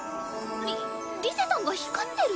リリゼたんが光ってる？